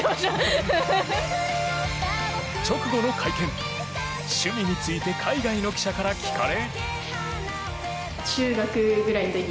直後の会見、趣味について海外の記者から聞かれ。